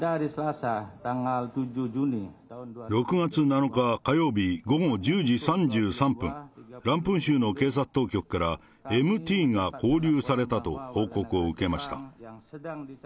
６月７日火曜日午後１０時３３分、ランプン州の警察当局から、ＭＴが勾留されたと、報告を受けました。